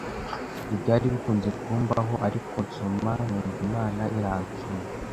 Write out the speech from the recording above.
ntibyari bikunze kumbaho ariko nsoma numva Imana iransuye,